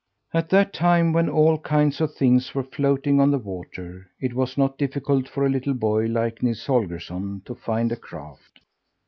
At that time, when all kinds of things were floating on the water, it was not difficult for a little boy like Nils Holgersson to find a craft.